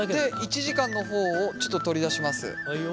１時間の方をちょっと取り出します。